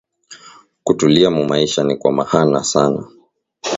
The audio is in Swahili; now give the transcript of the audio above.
Kutulia mumaisha nikwa mahana sana